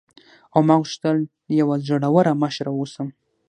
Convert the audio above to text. او ما غوښتل یوه زړوره مشره واوسم.